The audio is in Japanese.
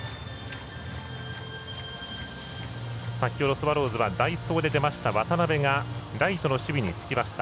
スワローズは代走で出ました渡邉がライトの守備につきました。